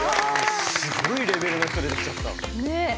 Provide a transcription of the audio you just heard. すごいレベルの人出てきちゃった。ね！